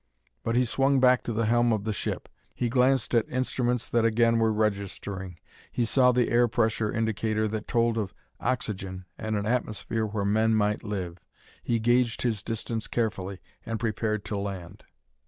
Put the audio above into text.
But he swung back to the helm of the ship. He glanced at instruments that again were registering; he saw the air pressure indicator that told of oxygen and an atmosphere where men might live. He gauged his distance carefully, and prepared to land.